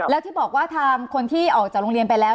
แล้วที่บอกว่าทางคนที่ออกจากโรงเรียนไปแล้ว